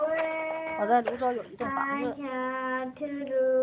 我在芦洲有一栋房子